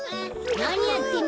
なにやってんの？